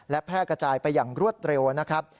และแพร่กระจายไปอย่างรวดเร็วนะครับ